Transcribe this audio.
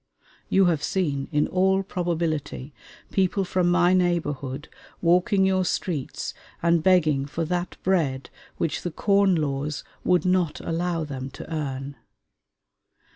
You have seen, in all probability, people from my neighborhood walking your streets and begging for that bread which the Corn Laws would not allow them to earn.